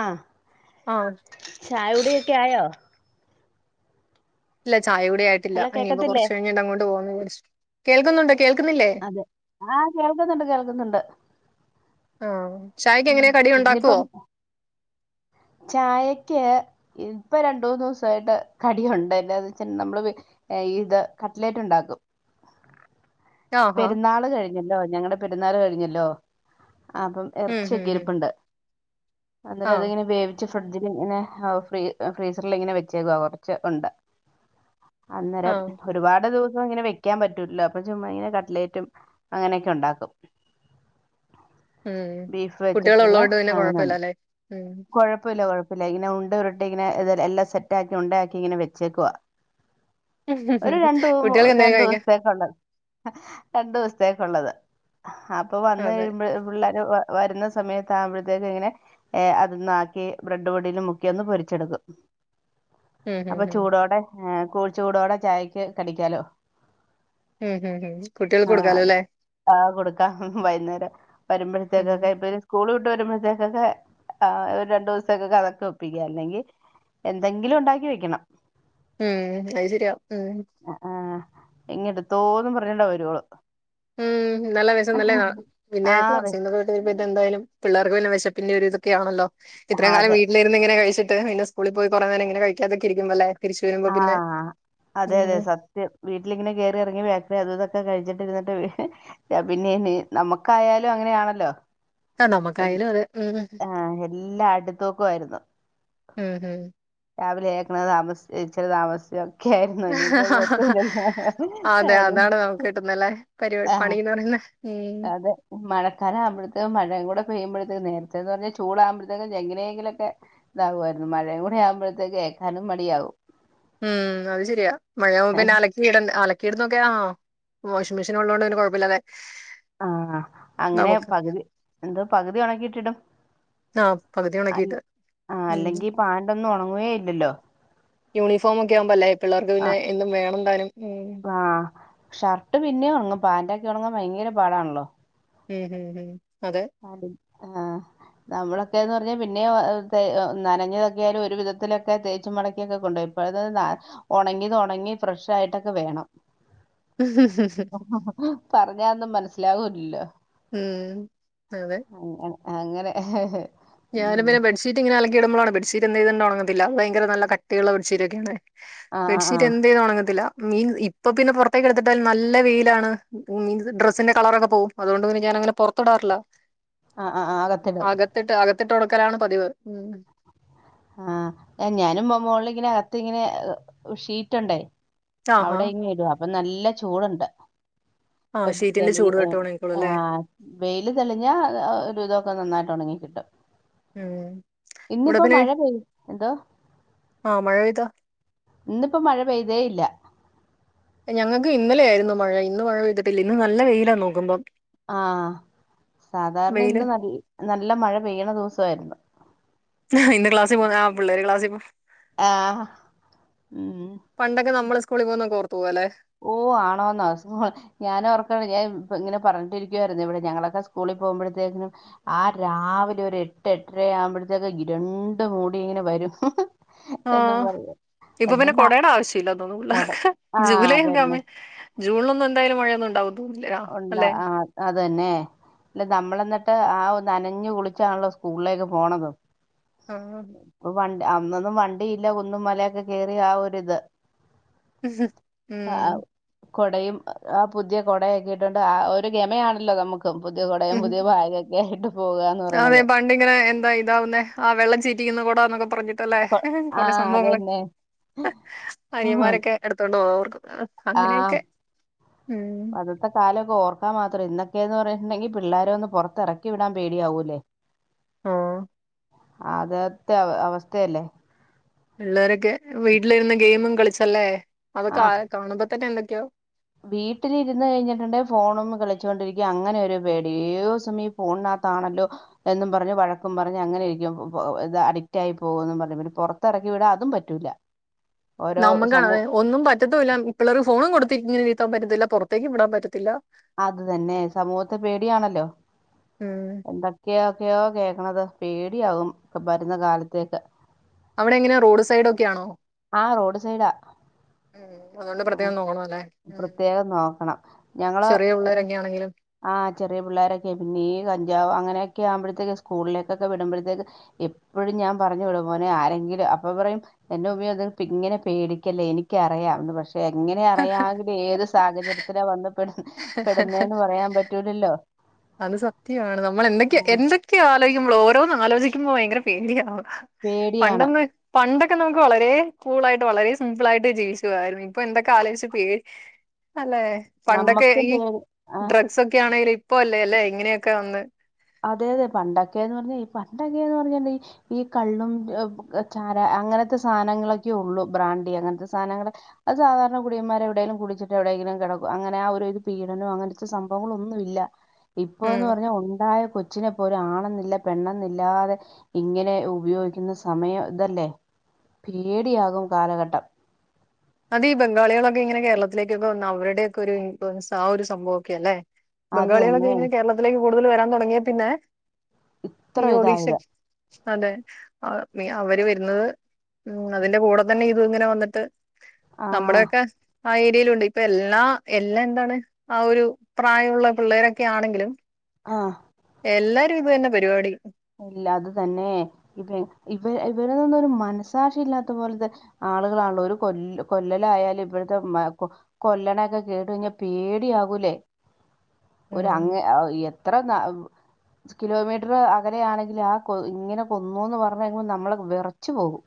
ആഹ് ആഹ് ചായകുടിയൊക്കെ ആയോ? ഇല്ല ചായ കൂടി ആയിട്ടില്ല. ഹലോ അയിനിയിപ്പൊ കേക്കത്തില്ലേ കൊറച്ച് കഴിഞ്ഞിട്ട് അങ്ങോട്ട പോവന്ന് വിചാരിച്ച്. കേൾക്കുന്നുണ്ടോ? കേൾക്കുന്നില്ലേ അതെ ആഹ് കേൾക്കുന്നുണ്ട്, കേൾക്കുന്നുണ്ട് ചായ്ക്ക് ഉം എങ്ങനെയ കടി ഉണ്ടാക്കുവോ ഇന്നിപ്പം [unintelligible] ചായക്ക് ഇപ്പൊ രണ്ട് മൂന്നുസായിട്ട് കടിയുണ്ട് ന്ന വെച്ചൽ നമ്മള് ഇത് കട്ട്ലേറ്റ് ഉണ്ടാക്കും. [unintelligible] ആഹാ പെരുന്നാള് കഴിഞ്ഞല്ലോ. ഞങ്ങടെ പെരുന്നാള് കഴിഞ്ഞല്ലോ അപ്പം ഉം ഇറച്ചി ഉം ഉം ക്കെരിപ്പുണ്ട്. അന്നേരം ആഹ് അതങ്ങനെ വേവിച്ച ഫ്രി ഡ്ജിൽ ഇങ്ങനെ ഫ്രീസറിൽ ഇങ്ങനെ വെച്ചേക്കുവ കുറച്ച്ണ്ട്. അന്നേരം ആഹ് ഒരുപാട് ദിവസം ഇങ്ങനെ വെക്കാൻ പറ്റൂലോ അപ്പൊ ചുമ്മാ ഇങ്ങനെ ക കട്ട്ലറ്റും അങ്ങനെയൊക്കെ ഉണ്ടാക്കും. ഉം ബീഫ് കുട്ടികൾ വെച്ചിട്ടുള്ള ഉള്ളതുകൊണ്ട് പിന്നെ അങ്ങനെയണ്ട് കുഴപ്പമില്ലല്ലേ ഉം കൊഴപ്പില്ല കൊഴപ്പ. [unintelligible] ഇങ്ങനെ ഉണ്ട ഉരട്ടി ഇങ്ങനെ ഇത് എല്ലാം സെറ്റാക്കി ഉണ്ടാക്കി ഇങ്ങനെ വെച്ചേക്കുവാ ഒരു രണ്ടു മൂ കുട്ടികൾക്ക് എന്തേലും രണ്ടു കഴിക്കാം ദിവസത്തേക്കുള്ളത്. രണ്ടു ദിവസത്തേക്കുള്ളത്. അപ്പൊ വന്ന് അതെ കഴിയുമ്പോ പിള്ളേർ വരുന്ന സമയത്ത ആകുമ്പോഴത്തേക്ക ഇങ്ങനെ ഏ അന്നാക്കി ബ്രെഡ് പൊടിൽ മുക്കിയൊന്ന് പൊരിച്ചെടുക്കും. ഉം ഉം അപ്പൊ ഉം ചൂടോടെ ചൂടോടെ ചായക്ക് കടിക്കാലോ. ഹം ഹം ആഹ അതെ ആഹ കൊടുക്കാം വൈകുന്നേരം ഉം വരുമ്പോഴത്തേക്കൊക്കെ ഇതൊരു സ്കൂൾ. വരുമ്പ തേ കൊകെ. ആ ഒരു രണ്ടു ദിവസത്തേ കൊക്കെ [unintelligible] അല്ലെങ്കിൽ എന്തെങ്കിലും ഉണ്ടാക്കി വെക്കണം. ഉം അയ് ശര്യാ ഉം എങ്ങെടുത്തോന്നും പറഞ്ഞണ്ടാ വരുവ ഉം നല്ല വെശനല്ലെ പിന്നെ ആഹ് വെ ക്ലാസ് [unintelligible] എന്തായാലും. പിള്ളേർക്ക് പിന്നെ വിശപ്പിന്റെ ഒരു ഇതൊക്കെയണലോ ആ, ഇത്രം കാലം അതെ വീട്ടിലിരുന്ന് ഇങ്ങനെ കഴിച്ചിട്ട്. ട്ട് പിന്നെ സ്കൂളിൽ പോയി കൊറേ നേരങ്ങനെ കഴിക്കാതൊക്കിരിക്കുമ്പല്ലേ? ആഹ് അതെ അതെ സത്യം വീട്ടിലിങ്ങനെ കയറി ഇറങ്ങി ബേക്കറി അതുതൊക്കെ കഴിച്ചിട്ട്. [unintelligible] പിന്നെ നമ്മുക്കായാലും അങ്ങനെയാണല്ലോ? ആ എ നമുക്കായാലും അതെ ഉം ആഹ എല്ലാ അടുത്തോക്കും ആയിരുന്നു. ഹം ഹം രാവിലെ ഏക്കണ താമസി ച്ചിത്തിരി താമസിച്ച്. ഒക്കെ ആയിരുന്നു ഇനിയിപ്പത് അതെ പറ്റൂലല്ലോ? അതാണ് നമുക്ക് കിട്ടുന്നല്ലേ പരിപാടി ആ പണിന്ന് പറയുന്നെ ഉം അതേ മഴക്കാലം ആവുമ്പഴത്തെ മഴയും കൂടെ പെയ്യുമ്പോഴ നേരത്തെന്ന് പറഞ്ഞാൽ ചൂടാകുമ്പോഴത്തേക്കും എങ്ങനെങ്കിലും ഒക്കെ ഇതാവുമായിരുന്നു മഴയും കൂടി ആ കുമ്പോഴത്തേക്ക് ഏക്കാനും. മടിയാവും. ഉം അത് ശരിയാ മഴാവുമ്പോ പിന്നെ അലക്കി ഇടണ്ടേ അല കീട് നോക്കേ [unintelligible] വാഷിംഗ് മെഷീൻ ഉള്ളോണ്ട് പിന്നെ കൊഴപ്പില്ലല്ലെ? ആ അങ്ങനെ പകുതി എന്താ പകുതി ഉണക്കിയിട്ടിട്ടും. ആ പകുതി അല്ല ഉണക്കിയിട്ട് ആ ഉം അല്ലെങ്കി പാന്റെ ന്നും ഉണങ്ങുവേ ഇല്ലല്ലോ? യൂണിഫോമൊക്കെയാവുബല്ലേ? പിള്ളേർക്ക് പിന്നെ ആഹ് എന്നും വേണന്താനും ഉം പാന്റൊ ക്കെ ഉണങ്ങാൻ ഭയങ്കര പാടാണല്ലോ? ഹു ഹു ആ ടീം ആ നമ്മളൊക്കെന്ന് പറഞ്ഞാ പിന്നെ തേ നനഞ്ഞതൊക്കെയാലും ഒരു വിധത്തിലൊക്കെ തേച്ചുമടക്കിയൊക്കെ കൊണ്ടോ ഇപ്പൊ [unintelligible] ഉണങ്ങിത് ഉണങ്ങി ഫ്രഷ് ആയിട്ടൊക്കെ വേണം. ഹിഹി പറഞ്ഞാന്നും മനസ്സിലാവൂല്ലല്ലോ. മ് അങ്ങ അങ്ങനെ ഞാന് ഉം പിന്നെ ബെ ഡ്ഷീറ്റ് ഇങ്ങെനെ അലക്കിടുമ്പോഴാണ് ബെഡ് ഷീറ്റ് എന്ത് ചെയ്താലും ഉണങ്ങത്തില്ല ഭയങ്കര നല്ല കട്ടിയുള്ള ബെ ഡ്ഷീറ്റ് ഒക്കെയാണ്. ആഹ് ആഹ് ബെഡ്ഷീറ്റ് ആഹ് എന്ത് ചെയ്ത ഒണങ്ങത്തില്ല. മീൻ ഇപ്പൊ പിന്നെ പുറത്തേക്ക് എടുത്തിട്ടാൽ നല്ല വെയിലാണ് മീൻസ് ഡ്രസ്സിന്റെ കളറൊക്കെ പോവും അതുകൊണ്ട് പിന്നെ ഞാൻ അങ്ങനെ പുറത്തിടാറില്ല. ആ ആ അകത്തിടും. ത്തിട്ട് ഒണക്കലാണ് പതിവ്. ആ ഞാനും മോള്ല്ങ്ങനെ അകത്ത് ങ്ങനെ ഉ ഷീറ്റുണ്ടേ ആഹാ അവിടെ ഇങ്ങനെ ഇടുവാ അപ്പൊ നല്ല ചൂടുണ്ട്. ആ ഇപ്പ ഷീറ്റിന്റെ തെളി ചൂട് തട്ടി ഉണങ്ങിക്കോളും ആ അല്ലേ വെയില് തെളിഞ്ഞ ഒരു വിതൊക്കെ നന്നായിട്ട് ഉണങ്ങി. ഉം ഇവിടെ ഇന്നിപ്പോ പിന്നെ മഴ പെയ് എന്തോ ആ മഴ പെയ്താ. ഇന്നിപ്പോ മഴ പെയ്തേ ഇല്ല. ഞങ്ങൾക്ക് ഇന്നലെയായിരുന്നു മഴ ഇന്ന് മഴ പെയ്തിട്ടില്ല ഇന്ന് നല്ല വെയിലാ നോക്കുമ്പം. ആ സാധാരണ വെയില് ഇന്ന് നല്ല മഴ പെയ്യ്ണ ദിവസമായിരുന്നു. ഇന്ന് ക്ലാസി പോവുന്ന ആ പിള്ളേര് ക്ലാസിൽ പോ ആ ഉം പണ്ടൊക്കെ നമ്മള് സ്കൂളിൽ പോവുന്നൊക്കെ ഓർത്ത് ഓ ആണോന്നോ സ്കൂൾ ഞാൻ ഓർക്കണ് ഞാൻ ഇങ്ങനെ പറഞ്ഞിട്ടിരിക്കുവായിരുന്നു ഇവിടെ ഞങ്ങളൊക്കെ സ്കൂളിൽ പോവുമ്പഴത്തേക്കിനും ആഹ് രാവിലെ ഒര് എട്ട് എട്ടര ആവുമ്പത്തേക്ക് ഇരിണ്ടു മൂടി ഇങ്ങനെ വരും വരും ആഹ് ഇപ്പൊ പിന്നെ കൊടേടാ ആവശ്യയില്ല തോന്നുന്നു കൊട പിള്ളാർക്ക് ആ ജൂലൈ അതന്നെ ന്റെമ്മേ ജൂൺലൊന്നും എന്തായാലും മഴയൊന്നും ഉണ്ടാവും തോന്നുന്നില്ല ഒണ്ട അല്ലെ ആഹ് അതന്നെ അല്ല നമ്മള് എന്നിട്ട് ട്ട് ആവു നനഞ്ഞു കുളിച്ചാണല്ലോ സ്കൂളിലേക്ക് പോണത് ആഹ് വണ് അന്നൊന്നും വണ്ടി ഇല്ല കുന്നും മലയൊക്കെ കേറി ആ ഒരു ഇത് ഉം കൊടയും ആ പുതിയ കൊടയെക്കെ ഇട്ടോണ്ട് ആ ഒരു ഗമയാണല്ലോ നമുക്ക് പുതിയ കൊടയും ഉം പുതിയ ബാഗൊക്കെ ആയിട്ട് പോകാന്ന് അതെ പറയണത് പണ്ടിങ്ങനെ എന്താ ഇതാവുന്നെ ആ വെള്ളം ചീറ്റി [unintelligible] ഇന്ന് കൂടാനകം പറഞ്ഞിട്ടല്ലേ ആ കൊറെ സംഭവങ്ങള് അതന്നെ അനിയന്മാരൊക്കെ എടുത്തോണ്ട് പോകർക്കും ആ അങ്ങനെയൊക്കെ ഉം അന്നത്തെ കാലമൊക്കെ ഓർക്കാൻ മാത്രം ഇന്ന് ക്കേന്ന് പറഞ്ഞിട്ടുണ്ടെങ്കിൽ പിള്ളാര ഒന്ന് പുറത്തിറക്കി വിടാൻ പേടിയാവൂല്ലേ ആഹ് അതെത്തെ അവസ്ഥയല്ലേ പിള്ളേരൊക്കെ വീട്ടിലിരുന്ന് ഗെയിമും കളിച്ചല്ലേ അതൊക്കെ ആ ആക കാണുമ്പോ തന്നെ എന്തൊക്കെയോ വീട്ടിലിരുന്ന് കഴിഞ്ഞിട്ടുണ്ടേ ഫോണും കളിച്ചൊണ്ടിരിക്കും അങ്ങനെ ഒരു പേടി ഏതു സമയം ഫോണാത്ത ക്കത്താണല്ലോ എന്നും പറഞ്ഞ് വയക്കും പറഞ്ഞ് അങ്ങനെ ഇരിക്കും ത് അഡിക്റ്റായി പോവുന്നും പറഞ്ഞ് പിന്നെ പൊറത്ത എറക്കിവിടാൻ അതും പറ്റൂല്ല നമുക്കാണതെ ഒന്നും പറ്റത്തൂല്ല പിള്ളേർക്ക് ഫോണും കൊടുത്തി ഇങ്ങനെ വീത്താൻ പറ്റത്തില്ല പൊറത്തേക്ക് വിടാൻ പറ്റത്തില്ല അത് തന്നെ സമൂഹത്തെ പേടിയാണല്ലോ ഉം എന്തൊക്കെയോക്കെയോ കേ ക്കണത് പേടിയാകും ഇപ്പ വരുന്ന കാലത്തേക്ക് അവിടെ എങ്ങനെ റോഡ് സൈഡ് ഒക്കെ ആണോ ആഹ് റോഡ് സൈഡാ ഉം അതുകൊണ്ട് ആഹ് പ്രത്യേകം നോക്കണം അല്ലേ ഉം പ്രത്യേകം നോക്കണം ഞങ്ങള് ചെറിയ ഏ പിള്ളേരൊക്കെ ആണെങ്കിലും ആഹ് ചെറിയ പിള്ളോരൊക്കെ പിന്നീ കഞ്ചാവ് അങ്ങനെയൊക്കെ ഒക്കെ ആവുമ്പോഴത്തേക്ക് സ്കൂളിലേക്കൊക്കെ വിടുമ്പഴത്തേക്ക് എപ്പോഴും ഞാൻ പറഞ്ഞു വിടും മോനെ ആരെങ്കിലും അപ്പ പറയും എന്റെ ഉമ്മിയോ ഇത് പ്പിങ്ങനെ പേടിക്കല്ലേ എനിക്കറിയാം പക്ഷെ പക്ഷെ എങ്ങനെ അറിയാവില്ലെ ഏത് സാഹചര്യത്തിലാ വന്ന് പെട് പെടുന്നേന്ന് പറയാൻ പറ്റൂലല്ലോ അത് സത്യമാണ് നമ്മൾ ആ, എന്തൊക്കെയോ എന്തൊക്കെയോ ആലോയിക്കുമ്പളോ ഓരോന്ന് ആലോജിക്കുമ്പോ ഭയങ്കര പേടിയാണ് പേടിയാണ് പണ്ടൊന്ന് പണ്ടൊക്കെ നമുക്ക് വളരെ കൂളായിട്ട് വളരെ സിമ്പിളായിട്ട് ജീവിച്ചു പോവാരുന്നു ഇപ്പൊ എന്തൊക്ക ആലോചിച്ച് പേ അല്ലെ പണ്ടൊക്കെ നമ്മക്കും ഈ പേടി ആ ഡ്രഗ്സൊക്കെ ആണേല് ഇപ്പോ അല്ലേ അല്ലേ ഇങ്ങനെയൊക്കെ വന്ന് അതെ അതെ പണ്ടൊക്കെന്ന് പറഞ്ഞാ ഈ പണ്ട് എങ്ങനെന്ന് പറഞ്ഞാല് ഈ കള്ളും ചാരാ അങ്ങന അങ്ങനത്തെ സാധനങ്ങളൊക്കെ ഒള്ളു ബ്രാണ്ടി അങ്ങനത്തെ സാധനങ്ങള് അത് സാധാരണ കുടിയന്മാര് എവിടെങ്കിലും കുടിച്ചിട്ട് എവിടെങ്കിലും കയെ ടകു അങ്ങനെ ആ ഒരുത് പീഡനോ അങ്ങനത്തെ സംഭവങ്ങളൊന്നും ഇല്ല ഉം ഇപ്പൊന്ന് പറഞ്ഞാൽ ഒണ്ടായ കൊച്ചിനെ പോലും ആണെന്നില്ല പെണ്ണെന്നില്ലാതെ ഇങ്ങനെ ഉപയോഗിക്കുന്ന സമയം ഇതല്ലേ പേടിയാകും കാലഘട്ടം അത് ഈ ബംഗാളികളൊക്കെ ഇങ്ങനെ കേരളത്തിലേക്കൊക്കെ വന്ന അവരുടെയൊക്കെ ഇൻ ഫുവൻസ് ആ ഒരു സംഭവം ഒക്കെ അല്ലെ അത് ബംഗാളികളൊക്കെ തന്നെ ഇങ്ങനെ കേരളത്തിലേക്ക് കൂടുതൽ വരാൻ തുടങ്ങിയാ പിന്നെ ഇത്ര ഈ ഒഡിഷ ഇതായത് ച്ച് അതെ അവര് വര്ന്നത് ഉം അതിന്റെ കൂടെ തന്നെ ഇത് ഇങ്ങനെ വന്നിട്ട് ആഹ് നമ്മുടെക്കെ ആ ഏരിയേലുണ്ട് ഇപ്പൊ എല്ലാ എല്ലാ എന്താണ് ആ ഒരു പ്രായമുള്ള പിള്ളേരൊക്കെ ആണെങ്കിലും ആഹ് എല്ലാരു ഇതന്നെ പരുവാടി ഇല്ല അത് തന്നേ. ഇവ ഇവരൊന്നും ഒരു മനസ്സാക്ഷി ഇല്ലാത്ത പോലത്തെ ആളുകളാണല്ലോ ഒരു കൊ കൊല്ലലായാലും ഇവിട്ത്തെ കൊല്ല്ണൊക്കെ കേട്ട് കഴിഞ്ഞ പേടിയാവൂലെ ഒര് ഉം അങ്ങ് എത്ര ന്ന കിലോമീറ്റ്റ് അകലെയാണെങ്കില് ആ കൊ ഇങ്ങനെ കൊന്നൂന്ന് പറഞ്ഞ നമ്മള് വെറച്ചു പോകും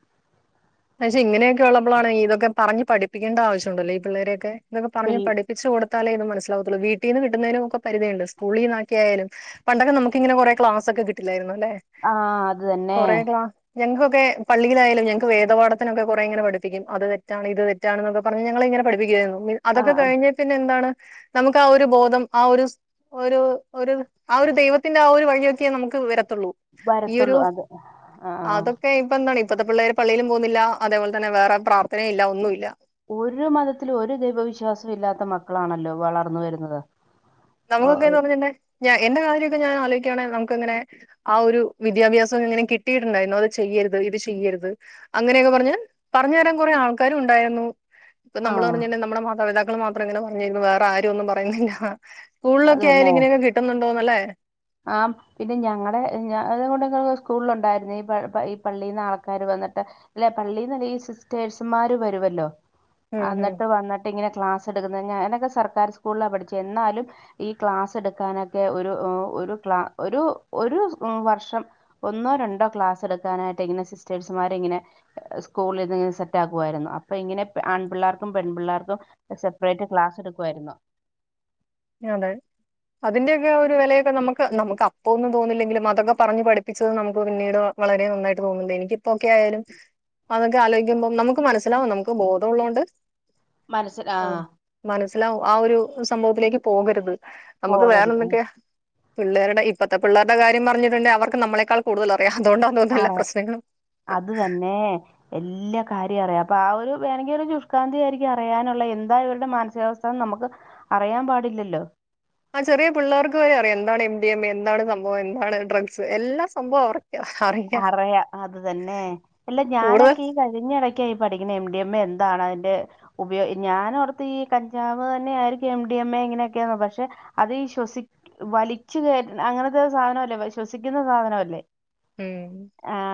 പക്ഷെ ഇങ്ങനെയൊക്കെ ഉള്ളപ്പോളാണ് ഇതൊക്കെ പറഞ്ഞ് പഠിപ്പിക്കേണ്ട ആവശ്യണ്ടല്ലെ ഈ പിള്ളേരെയൊക്കെ ഇതൊക്കെ പറഞ്ഞ് പിൽ പഠപ്പിച്ച് കൊടുത്താലെ ഇത് മനസിലാവത്തൊള്ളൂ വീട്ടീന്ന് കിട്ടുന്നതിനും ഒക്ക പരിതിയുണ്ട് സ്കൂളിന്നാക്ക്യയാലും പണ്ടൊക്കെ നമുക്കിങ്ങനെ കൊറെ ക്ലാസ്സൊക്കെ കിട്ടില്ലായിരുന്നൊ ആ അത് തന്നേ ഞങ്ങ്കൊക്കെ പള്ളിയിലായാലും ഞങ്ങക്ക് വേ ദ പഠാത്തിനൊക്കെ കൊറേ ഇങ്ങനെ പഠിപ്പിക്കും. അത് തെറ്റാണ് ഇത് തെറ്റാണ് ന്നൊക്കെ പറഞ്ഞ് ഞങ്ങളെ ഇങ്ങനെ പഠപ്പിക്കുവായിരുന്നു അതൊക്കെ ആഹ് കഴിഞ്ഞ് പിന്നെന്താണ് നമുക്ക് ആ ഒര് ബോധം ആ ഒര് സ് ഒര് ഒര് ആ ഒര് ദൈവത്തിന്റെ ആ ഒര് വഴിയൊക്കെ നമുക്ക് വരത്തൊള്ളു ഈ ഒരൂ വരത്തുള്ളൂ അത് ആഹ് അതൊക്കെ ഇപ്പെന്താണ് ഇപ്പത്തെ പിള്ളേര് പള്ളീലും പോവുന്നില്ല അതേപോലതന്നെ വേറെ പ്രാർത്ഥനയില്ല ഒന്നുല്ല ഒരു മതത്തിലും ഒര് ദൈവവിശ്വാസല്ലാത്ത മക്കളാണല്ലൊ വളർന്ന് വരുന്നത് നമുകൊക്കേന്ന് പറഞ്ഞെന്നെ ഞാ എന്റെ കാര്യൊക്കെ ഞാൻ ആലോയ്ക്കാണെന്ന ക്കങ്ങനെ ആ ഒരു വിദ്യാഭ്യാസം ങ്ങനെ കിട്ടിട്ട്ണ്ടായിരുന്നു. അത് ചെയ്യരുത്ത് ഇത് ചെയ്യരുത് അങ്ങനെ പറഞ്ഞ് പറഞ്ഞതരാൻ കൊറേ ആൾക്കാരുണ്ടായിരുന്നു. പ്പൊ നമ്മള് ആഹ് പറഞിലെ നമ്മളെ മാതാപിതാക്കള് മാത്രംങ്ങനെ പറഞ്ഞിര്ന്നു വേറെ ആരും ഒന്നും പറയുന്നില്ല. സ്കൂളിലൊക്കെയാലും ഇങ്ങനെയൊക്കെ കിട്ട്ന്നുണ്ടോന്നല്ലെ. ആഹ് പിന്നെ ഞങ്ങടെ ഞ അത്കൊണ്ടങ്ങൾടെ സ്കൂളിലുണ്ടായിരുന്ന ഈ ഈ പള്ളീന്ന് ആൾക്കാര് പറ ന്ന്ട്ട് ഇല്ല പള്ളീന്നല്ല ഈ സിസ്റ്റേഴ്സുമാര് വരുവല്ലൊ. ഉം അന്ന്ട്ട് ഉം വന്ന്ട്ട്ങ്ങനെ ക്ലാസ്. ന്നട്ടങ്ങ ഞാനൊക്കെ സർക്കാർ സ്കൂളിലാ പഠിച്ചെ എന്നാലും, ഈ ക്ലാസ്സ്ട്‌ക്കാനൊക്കെ ഒരു ഓഹ് ഒര്. രു ക്ലാ ഒരൂ ഒരു വർഷം ഒന്നോ രണ്ടൊ ക്ലാസ് എട്ക്കാനായിട്ട് ഇങ്ങനെ സിസ്റ്റേഴ്സുമാ ട്ടിങ്ങനെ സ്കൂളിന്ന്ങ്ങനെ സെറ്റാക്കുവായിരുന്നു. അപ്പ ഇങ്ങനെ ആൺ പിള്ളാർക്കും പെൺ പിള്ളാർക്കും സപ്പ്റേറ്റ് ക്ലാസ്ടുക്കുവായിരുന്നു. അതെ. അതിന്റെയൊക്കെ ആഒരു വെലയൊക്കെ നമ്മക്ക് നമ്മക്ക് അപ്പൊന്നും തോന്നില്ലെങ്കിലും അതൊക്കെ പറഞു പഠിപ്പിച്ചത് നമ്മുക്ക് പിന്നീട്. വളരെ നന്നായിട്ട് പോക്ന്ന്ണ്ട് എനിക്കിപ്പൊ ഓക്കെ ആയാലും. അതൊക്കെ ആലോയ്ക്കുമ്പൊ നമുക്ക് മനസ്സിലാവും നമുക്ക് ബോധോള്ളോണ്ട്. മനസ്സ്ല് ആഹ്. അല ആഹ് ഒര് സംഭവത്തിലേക്ക് പോകര്ത്. നമുക്ക് പോകരുത് വേറെന്തൊക്കെ? പിള്ളേര്ടെ ഇപ്പത്തെ പിള്ളേര്ടെ കാര്യം പറഞ്ഞിട്ട്ണ്ടെ അവർക്ക് നമ്മളെക്കാൾ കൂട്തല പേ അതോണ്ടതോന്ന് എല്ലാ ആ പ്രശ്നങ്ങളു. കാര്യറിയാ അപ്പ ആഹ് ഒരു വേണങ്കി ഒര് ശുഷ്കാന്തിയായിക്ക്യ അറിയാനുള്ള എന്താ ഇവര്ടെ മാനസികാവസ്ഥ നമക്ക്, അറിയൻ പാടില്ലല്ലൊ. ആഹ് ചെറിയ പിള്ളേർക്ക് വരെ അറിയാം. എന്താണ് എം ഡി എം എ എന്താണ് സംഭവം എന്താണ് ഡ്രഗ്സ്. എല്ലാ സംഭവം അവർക്ക് അറിയാം അറയാ അത് തന്നെ, അല്ല കൂടുതൽ ഞാനൊക്കെ ഈ കഴിഞ്ഞ വെ കെ ഈപഠിക്ണ എം ഡി എമ്മെ എന്താണ് അതിന്റെ ഉപയോ ഞാനോർത്ത് ഈ കഞ്ചാവ് ന്നെ ആയിരിക്കും എം ഡി എം എ ഇങ്ങനെയൊക്കെന്ന് പക്ഷെ അത് ശ്വസി വലിച്ച് കേറ്റ അങ്ങനത്തെ സാധനല്ലെ ശ്വസിക്ക്ന്ന സാധന ഉം.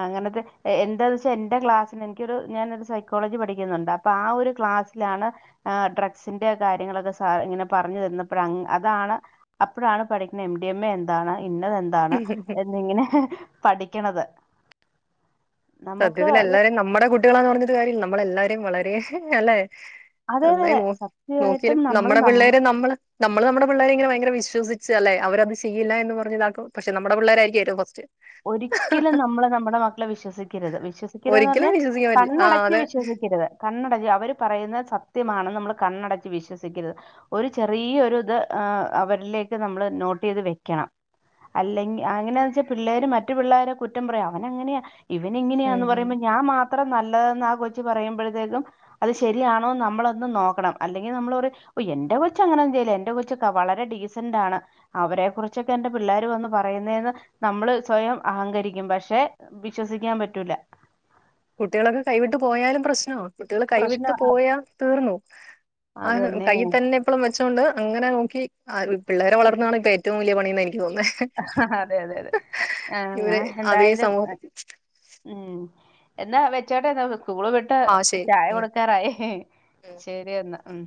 അങ്ങനത്തെ എ എന്താന്നെച്ചാ എന്റെ ക്ലാസ്സിന് എനിക്കൊരു ഞാനൊരു സൈക്കോളജി പഠിക്കുന്നുണ്ട് അപ്പൊ ആ ഒരു ക്ലാസ്സിലാണ്. ആഹ് ഡ്രഗ്സിന്റെ കാര്യങ്ങളൊക്കെ സാ ഇങ്ങനെ പറഞ്ഞ് തന്നപ്പഴ അതാണ് അപ്പോഴാണ് പഠിക്കണ- എംഡിഎമ്മെ എന്താണ? ഇന്നതെന്താണ് എന്നിങ്ങനെ പഠിക്ക്ണത്. സത്യത്തില എല്ലാരിം നമ്മടെ കുട്ടികളാന്ന് ഓർത്ട്ട് കാര്യല്ല നമ്മളെല്ലാവരിം വളരെ അല്ലെ? അതെ അതെ അതെ സ. നോക്കിലും നമ്മുടെ പിള്ളേരെ നമ്മള് നമ്മള് നമ്മുടെ പിള്ളേരെങ്ങനെ ഭയങ്കര വിശ്വസി ച് അല്ലെ അവരത് ചെയ്യില്ല എന്ന് പറഞ്ഞതാക്കും. പക്ഷെ നമ്മടെ പിള്ളേരായിരിക്കും ഏറ്റവും ഫസ്റ്റ്. ഒരിക്കലും നമ്മള് നമ്മുടെ മക്കളെ വിശ്വസിക് രുത് വിശ്വസിക്കരുത് ന്ന് ഒരിക്കലും പറഞ്ഞാൽ വിശ്വസിക്കാൻ പറ്റില്ല ആ കണ്ണടച്ച് അതെ വിശ്വസിക്കരുത്. കണ്ണടച് അവര് പറയുന്നത് സത്യമാണ്ന്ന് നമ്മൾ കണ്ണടച്ച് വിശ്വസിക്കരുത്. ഒരു ചെറിയൊ ഒരു ഇത്- ഉഹ് അവരിലേക്ക് നമ്മള് നോട്ട് ചെയ്ത് വെക്കണം. അല്ലെങ്ക അങ്ങനെയ വച്ചാ പിള്ളേര് മറ്റു പിള്ളേരെ കുറ്റം പറയും, അവനങ്ങനെയ ഉം ഇവാനിങ്ങനെയാന്ന് ഉം പറുമ്പോ ഞാ മാ അത്ര നല്ലതെന്ന ആ കൊച് പറയുമ്പോഴത്തേക്കും അത് ശരിയാണോ നമ്മളൊന്ന് നോക്കണം, അല്ലെങ്കി നമ്മളൊരു. ഓ എന്റെ കൊച് അങ്ങനൊന്നു ചെയ്യില്ല, എന്റെ കൊച് ക വളരെ ഡീസന്റ് ആണ് അവരെ കുറിച്ചൊക്കെ എന്റെ പിള്ളേർ വന്ന് പറയ പറയുന്നെന്ന് നമ്മള് സ്വയം അഹങ്കരിക്കും പക്ഷെ വിശ്വസിക്കാൻ പറ്റൂല. കുട്ടികളൊക്കെ കൈവിട്ട് പോയാലും പ്രശ്നാ കുട്ടികൾ കൈവിട്ട് പ്രശ്നം അത് പോയാ തീർന്നു. ആ കയ്യിൽ തന്നെ ഇപ്പളും വെ ചോണ്ട് അങ്ങനെ നോക്കി ആ പിള്ളേരെ വളർന്നാണ് പ്പ ഏറ്റവും വലിയ പണിന്ന എനി യോന്നെ അതെ അതെ അതെ ഇവര് ആഹ് അതെ എന്തായാലും സമൂഹം. ഉം. എന്നാ വെച്ചോട്ടെന്ന സ്കൂള് വിട്ട് ആ ശരി ചായ കൊടുക്കാറായി. ഉം ശരി എന്നാ. ഉം.